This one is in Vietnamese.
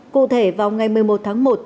cụ thể vào ngày một mươi một tháng một